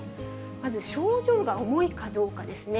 まず症状が重いかどうかですね。